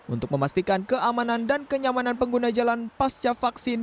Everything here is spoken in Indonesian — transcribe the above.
untuk memastikan keamanan dan kenyamanan pengguna jalan pasca vaksin